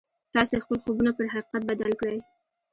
تاسې خپل خوبونه پر حقيقت بدل کړئ.